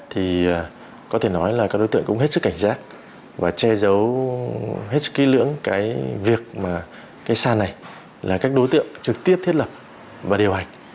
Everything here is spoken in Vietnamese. thì có thể nói là các đối tượng cũng hết sức cảnh giác và che giấu hết ký lưỡng cái việc mà cái sàn này là các đối tượng trực tiếp thiết lập và điều hành